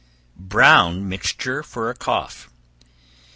Brown Mixture for a Cough.